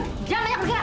jangan banyak bergerak